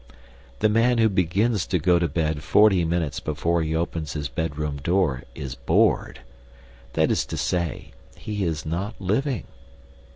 The man who begins to go to bed forty minutes before he opens his bedroom door is bored; that is to say, he is not living.